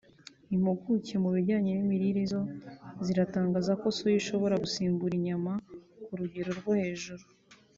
impuguke mu bijyanye n’imirire zo ziratangaza ko Soya ishobora gusimbura inyama ku rugero rwo hejuru